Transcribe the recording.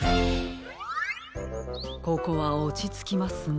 ここはおちつきますね。